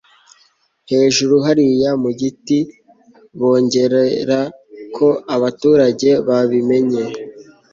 hejuru hariya mu giti bongorera, ko abaturage babimenye